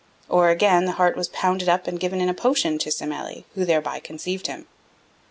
Or, again, the heart was pounded up and given in a potion to Semele, who thereby conceived him.